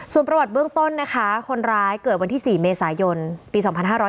ส่วนประวัติเบื้องต้นนะคะคนร้ายเกิดวันที่๔เมษายนปี๒๕๕๙